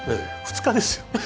２日ですよ？